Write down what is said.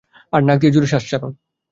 আর নাক দিয়ে জোরে শ্বাস ছাড়ুন।